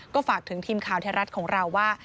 ก็ฝากถึงทีมข่าวไทยรัฐของเราว่า